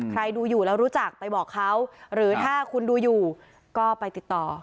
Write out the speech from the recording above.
ดูอยู่แล้วรู้จักไปบอกเขาหรือถ้าคุณดูอยู่ก็ไปติดต่อ